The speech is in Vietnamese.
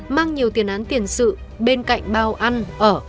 mang nhiều tiền án tiền sự bên cạnh bao ăn ở